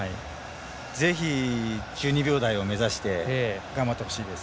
ぜひ１２秒台を目指して頑張ってほしいです。